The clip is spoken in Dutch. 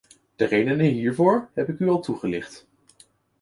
De redenen hiervoor heb ik u al toegelicht.